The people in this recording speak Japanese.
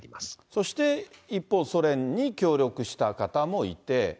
そして一方、ソ連に協力した方もいて。